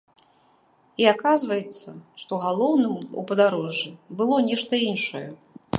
І аказваецца, што галоўным у падарожжы было нешта іншае.